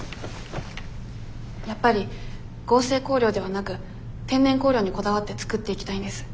やっぱり合成香料ではなく天然香料にこだわって作っていきたいんです。